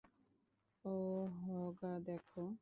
ওহগা, দেখো!